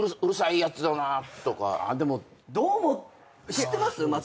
知ってます？